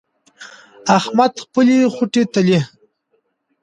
احمد خپلې خوټې تلي.